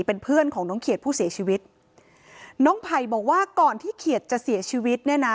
เป็นเพื่อนของน้องเขียดผู้เสียชีวิตน้องไผ่บอกว่าก่อนที่เขียดจะเสียชีวิตเนี่ยนะ